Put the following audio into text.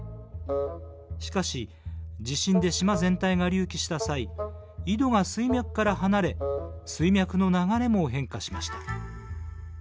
しかし地震で島全体が隆起した際井戸が水脈から離れ水脈の流れも変化しました。